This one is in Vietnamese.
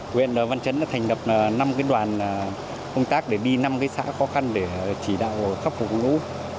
huyện văn chấn đã thành đập năm đoàn công tác để đi năm xã khó khăn để chỉ đạo khắc phục lũ